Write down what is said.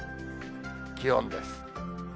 気温です。